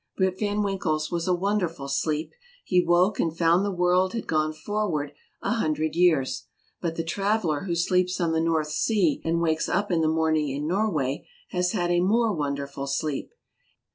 Rip Van Winkle's was a wonderful sleep ; he woke and found the world had gone forward a hundred years ; but the traveler who sleeps on the North Sea and wakes up in the morning in Norway has had a more wonderful sleep.